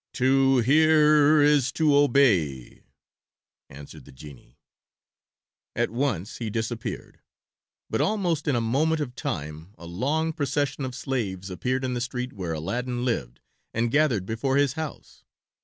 "To hear is to obey," answered the genie. At once he disappeared, but almost in a moment of time a long procession of slaves appeared in the street where Aladdin lived and gathered before his house.